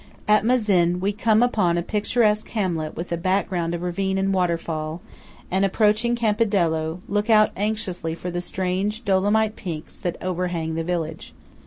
At Mazin, we come upon a picturesque hamlet with a background of ravine and waterfall; and, approaching Campidello, look out anxiously for the strange Dolomite peaks that overhang the village.